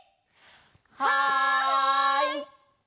はい！